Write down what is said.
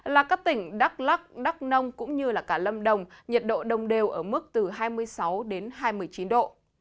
là các tỉnh đắk lắc đắk nông cũng như cả lâm đồng nhiệt độ đồng đều ở mức từ hai mươi sáu đến hai mươi chín độ